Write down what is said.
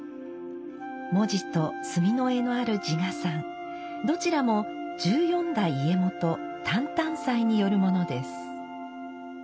文字と炭の絵のある自画賛どちらも十四代家元淡々斎によるものです。